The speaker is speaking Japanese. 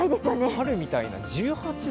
春みたいな、１８度。